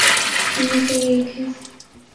ان میں سے یہ ایک ہے۔